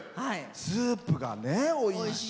スープがおいしい。